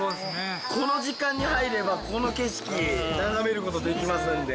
この時間に入ればこの景色眺める事できますんで。